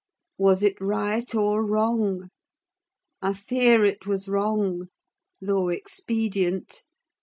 Was it right or wrong? I fear it was wrong, though expedient.